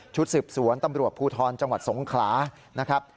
ชุดสิบสวนตำรวจภูทรจังหวัดสงขลา